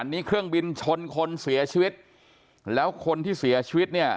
นี่เครื่องบินชนคนเสียชีวิตแล้วคนที่เสียชีวิตเนี่ย